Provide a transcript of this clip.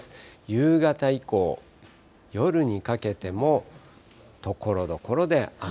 夕方以降、夜にかけても、ところどころで雨。